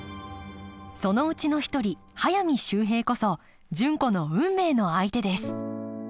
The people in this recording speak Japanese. そのうちの一人速水秀平こそ純子の運命の相手です